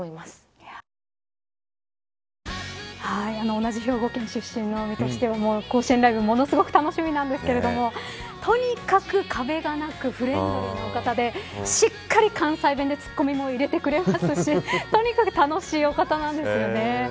同じ兵庫県出身の身として甲子園ライブ、ものすごく楽しみなんですけれどもとにかく、壁がなくフレンドリーな方でしっかり関西弁で突っ込みも入れてくれましたしとにかく楽しいお方なんですよね。